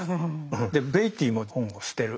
でベイティーも本を捨てる。